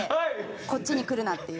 こっちにくるなっていう。